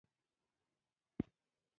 احمد سږ کال په خروارونو مڼې لرلې.